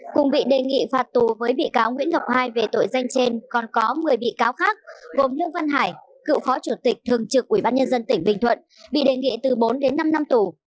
cùng bị đề nghị phạt tù với bị cáo nguyễn ngọc ii về tội danh trên còn có một mươi bị cáo khác gồm lương văn hải cựu phó chủ tịch thường trực ubnd tỉnh bình thuận bị đề nghị từ bốn đến năm năm tù